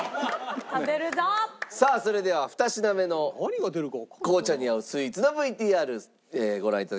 さあそれでは２品目の紅茶に合うスイーツのＶＴＲご覧頂きましょう。